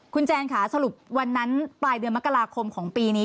คุณแจนค่ะสรุปวันนั้นปลายเดือนมกราคมของปีนี้